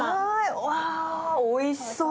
うわー、おいしそう。